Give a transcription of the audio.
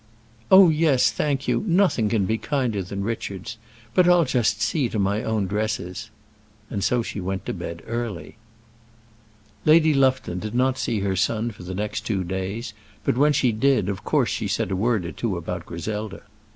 "Oh, yes, thank you, nothing can be kinder than Richards. But I'll just see to my own dresses." And so she went to bed early. Lady Lufton did not see her son for the next two days, but when she did, of course she said a word or two about Griselda.